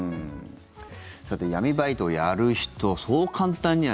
さて、闇バイトをやる人そう簡単には